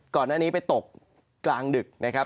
ก่อนหน้านี้ไปตกกลางดึกนะครับ